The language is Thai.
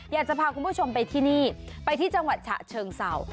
อยากจะพาคุณผู้ชมไปที่นี่ไปที่จังหวัดฉะเชิงเศร้า